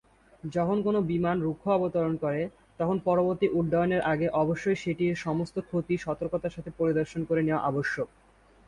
যখন কোনও বিমান রুক্ষ অবতরণ করে, তখন পরবর্তী উড্ডয়নের আগে অবশ্যই সেটির সমস্ত ক্ষতি সতর্কতার সাথে পরিদর্শন করে নেওয়া আবশ্যক।